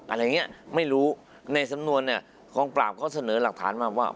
อะไรอย่างเงี้ยไม่รู้ในสำนวนเนี่ยกองปราบเขาเสนอหลักฐานมาว่า